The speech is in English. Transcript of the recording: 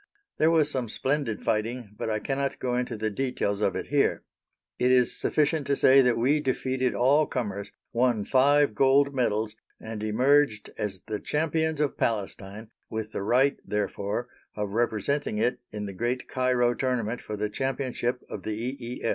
There was some splendid fighting, but I cannot go into the details of it here. It is sufficient to say that we defeated all comers, won five gold medals, and emerged as the Champions of Palestine, with the right, therefore, of representing it in the great Cairo tournament for the Championship of the E.